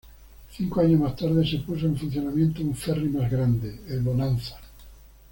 Cinco años más tarde se puso en funcionamiento un ferri más grande, el Bonanza.